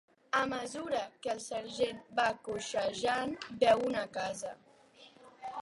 A mesura que el sergent va coixejant, veu una casa.